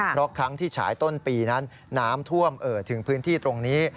เพราะครั้งที่ฉายต้นปีนั้นน้ำท่วมเอ่อถึงพื้นที่ตรงนี้